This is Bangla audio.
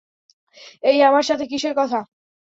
এই, আমার সাথে কিসের কথা?